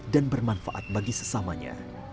dan bermanfaat bagi sesamanya